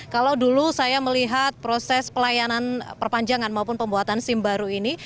kalau dulu saya melihat proses pelayanan perpanjangan maupun pembuatan sim baru ini